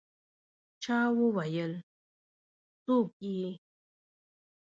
چا وویل: «څوک يې؟»